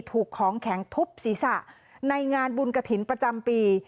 ถูกของแข็งทุบศีรษะในงานบุญกระถิ่นประจำปี